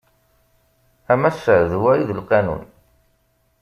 A massa d wa i d lqanun.